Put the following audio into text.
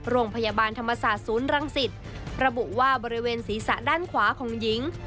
โรงพยาบาลธรรมศาสตร์ศูนย์รังสิตระบุว่าบริเวณศีรษะด้านขวาของหญิง